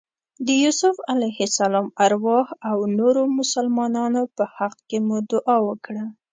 د یوسف علیه السلام ارواح او نورو مسلمانانو په حق کې مو دعا وکړه.